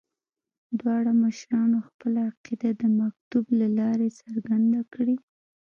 دواړو مشرانو خپله عقیده د مکتوب له لارې څرګنده کړې.